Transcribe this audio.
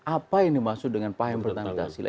apa yang dimaksud dengan paham yang bertentangan pancasila